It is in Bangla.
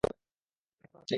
প্ল্যান করার কিছুই নেই।